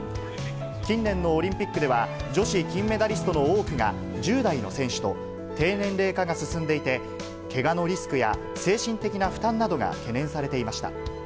近年のオリンピックでは、女子金メダリストの多くが１０代の選手と、低年齢化が進んでいて、けがのリスクや、精神的な負担などが懸念されていました。